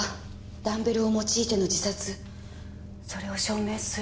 ダンベルを用いての自殺それを証明する何か。